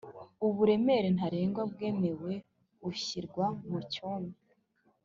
uburemere ntarengwa bwemewe bushyirwa mu cyome